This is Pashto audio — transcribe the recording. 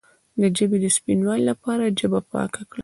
د ژبې د سپینوالي لپاره ژبه پاکه کړئ